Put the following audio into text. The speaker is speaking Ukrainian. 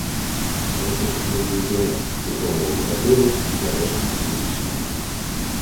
— Дайте Шумилові коня, — тихо мовив Гатило й нарешті сів у сідло.